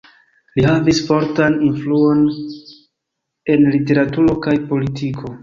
Li havis fortan influon en literaturo kaj politiko.